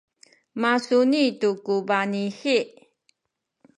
masuni tu ku baninih